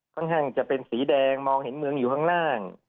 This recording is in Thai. ข้างจะเป็นสีแดงมองเห็นเมืองอยู่ข้างล่าง